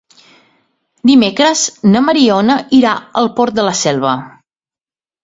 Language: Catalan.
Dimecres na Mariona irà al Port de la Selva.